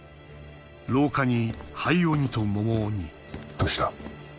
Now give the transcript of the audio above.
どうした？